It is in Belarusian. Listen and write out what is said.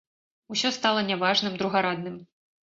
Усё стала няважным, другарадным.